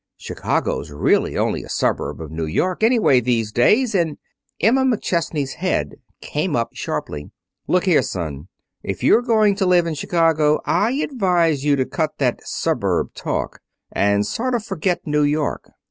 "Chicago's really only a suburb of New York, anyway, these days, and " Emma McChesney's head came up sharply. "Look here, son. If you're going to live in Chicago I advise you to cut that suburb talk, and sort of forget New York.